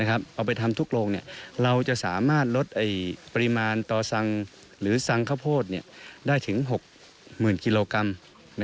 เอาไปทำทุกโรงเราจะสามารถลดปริมาณต่อสั่งหรือซังข้าวโพดได้ถึง๖๐๐๐กิโลกรัม